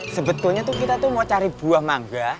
sebetulnya tuh kita tuh mau cari buah mangga